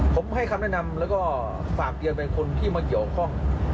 ผมให้คำแนะนำแล้วก็ฝากเตือนไปคนที่มาเกี่ยวข้อง